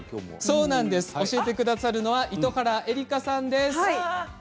教えてくださるのは糸原絵里香さんです。